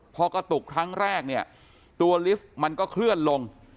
พอกระตุกครั้งแรกเนี่ยตัวลิฟต์มันก็เคลื่อนลง